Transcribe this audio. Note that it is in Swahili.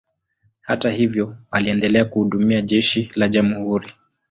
Hata hivyo, aliendelea kuhudumia jeshi la jamhuri.